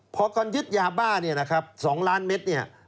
เพราะก่อนยืดยาบ้า๒ล้านเมตร